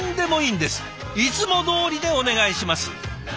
いつもどおりでお願いします。